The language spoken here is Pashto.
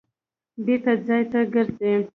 بېرته ځای ته ګرځي.